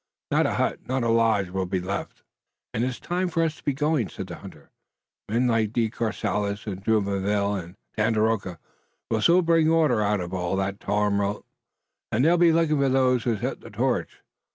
Not a hut, not a lodge will be left!" "And it's time for us to be going," said the hunter. "Men like De Courcelles, Jumonville and Tandakora will soon bring order out of all that tumult, and they'll be looking for those who set the torch.